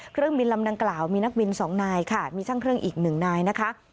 เครื่องบินลำดังกล่าวมีนักบิน๒นายค่ะมีช่างเครื่องอีกหนึ่งนายนะคะ